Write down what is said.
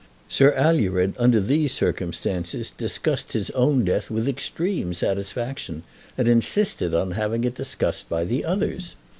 Sir Alured, under these circumstances, discussed his own death with extreme satisfaction, and insisted on having it discussed by the others.